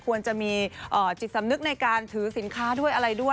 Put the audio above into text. ควรจะมีจิตสำนึกในการถือสินค้าด้วยอะไรด้วย